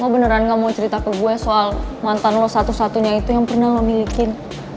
lo beneran gak mau cerita ke gue soal mantan lo satu satunya itu yang pernah lo milikin